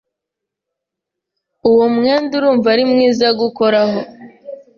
Uwo mwenda urumva ari mwiza gukoraho.